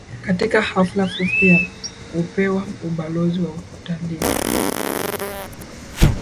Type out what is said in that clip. katika hafla fupi ya kupewa Ubalozi wa Utalii